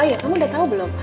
ya kamu udah tahu belum